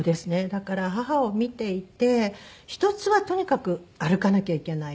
だから母を見ていて１つはとにかく歩かなきゃいけない。